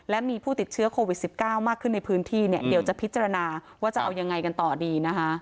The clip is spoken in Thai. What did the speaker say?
และมีผู้ติดเชื้อโควิด๑๙มากขึ้นในพื้นที่เนี่ยเดี๋ยวจะพิจารณาว่าจะเอายังไงกันต่อดีนะคะ